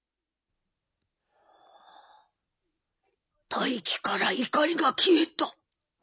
大気から怒りが消えた。